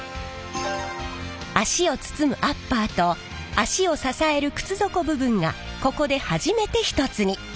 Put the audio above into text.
足を包むアッパーと足を支える靴底部分がここで初めて一つに。